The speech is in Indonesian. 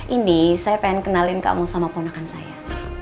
ini saya pengen kenalin kamu sama ponakan saya